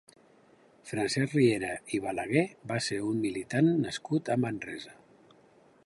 Francesc Riera i Balaguer va ser un militar nascut a Manresa.